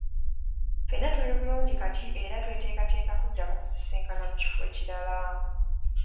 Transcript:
Ffenna tuli bulungi kati era tweteekateeka kuddamu kusisinkana mu kifo kirala.